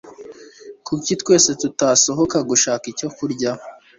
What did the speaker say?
Kuki twese tutasohoka gushaka icyo kurya?